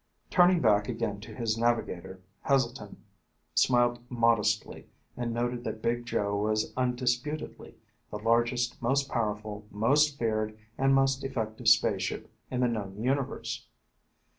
Turning back again to his navigator, Heselton smiled modestly and noted that Big Joe was undisputedly the largest, most powerful, most feared, and most effective spaceship in the known universe.